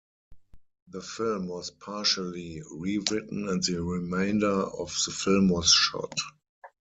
The film was partially re-written and the remainder of the film was shot.